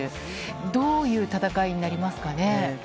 どういう戦いになりますかね。